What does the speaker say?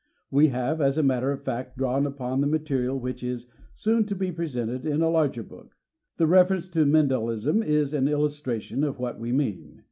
We have, as a matter of fact, drawn upon the material which is soon to be presented in a larger book. The reference to Mendelism is an illustration of what we mean.